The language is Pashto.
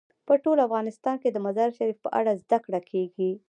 په ټول افغانستان کې د مزارشریف په اړه زده کړه کېږي.